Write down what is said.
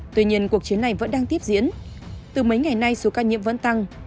tuy nhiên cuộc chiến này vẫn đang tiếp diễn từ mấy ngày nay số ca nhiễm vẫn tăng